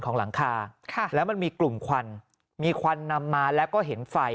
หลังคาแล้วมันมีกลุ่มควันมีควันนำมาแล้วก็เห็นไฟ